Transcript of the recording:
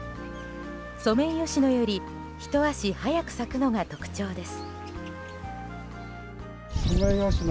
ソメイヨシノよりひと足早く咲くのが特徴です。